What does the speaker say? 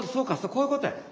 こういうことや。